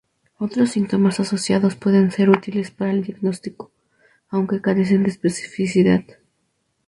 Otros síntomas asociados pueden ser útiles para el diagnóstico, aunque carecen de especificidad.